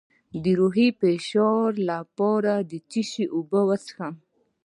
د روحي فشار لپاره د څه شي اوبه وڅښم؟